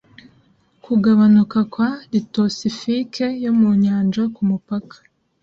Kugabanuka kwa litosifike yo mu nyanja kumupaka